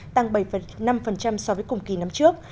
tăng bảy năm so với cùng kỳ năm trước